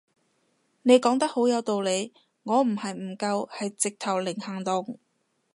你講得好有道理，我唔係唔夠係直頭零行動